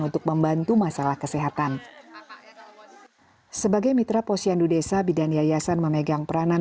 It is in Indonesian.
untuk membantu masalah kesehatan sebagai mitra posyandu desa bidan yayasan memegang peranan